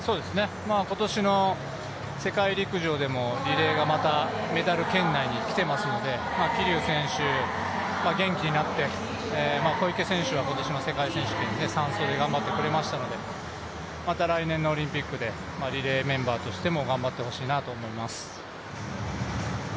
今年の世界陸上でもリレーがまたメダル圏内にきてますので桐生選手、元気になって、小池選手は今年の世界選手権、３走で頑張ってくれましたのでまた来年のオリンピックでリレーメンバーとしても頑張ってほしいなと思います。